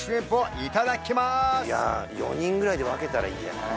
いや４人ぐらいで分けたらいいんじゃない？